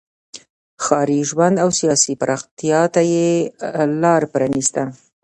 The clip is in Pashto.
ښاري ژوند او سیاسي پراختیا ته یې لار پرانیسته.